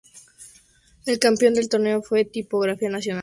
El campeón del torneo fue el Tipografía Nacional.